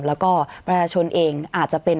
แล้วก็ประชาชนเองอาจจะเป็น